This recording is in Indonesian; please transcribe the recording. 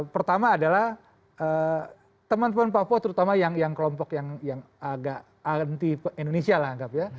pertama adalah teman teman papua terutama yang kelompok yang agak anti indonesia lah anggap ya